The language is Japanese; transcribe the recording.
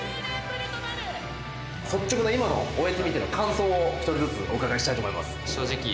率直な今の終えてみての感想を１人ずつお伺いしたいと思います。